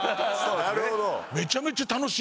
なるほど。